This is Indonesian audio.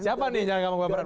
siapa nih yang jangan baperan